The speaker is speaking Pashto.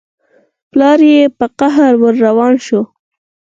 پلار يې په قهر ور روان شو.